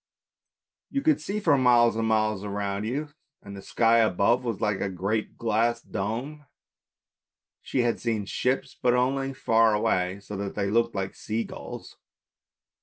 You could see for miles and miles around you, and the sky above was like a great glass dome. She had seen ships, but only far away, so that they looked like sea gulls.